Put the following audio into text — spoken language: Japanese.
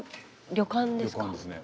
旅館ですね。